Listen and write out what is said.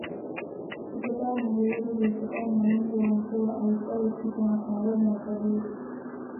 kutokana na jeuri iliyotokana na Mungu wa mvua aitwaye Tita na kuongozwa na utabiri